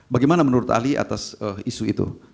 bagaimana menurut ahli atas isu itu